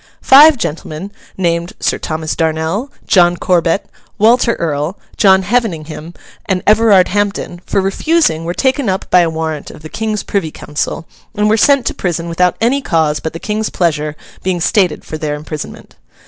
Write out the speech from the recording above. Five gentlemen, named Sir Thomas Darnel, John Corbet, Walter Earl, John Heveningham, and Everard Hampden, for refusing were taken up by a warrant of the King's privy council, and were sent to prison without any cause but the King's pleasure being stated for their imprisonment.